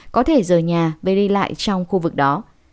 có thể rời nhà với đi lại trong khu vực đó